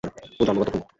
ও জন্মগত খুনি।